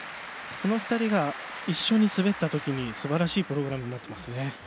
その２人が一緒に滑ったときにすばらしいプログラムになっています。